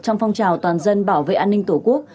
trong phong trào toàn dân bảo vệ an ninh tổ quốc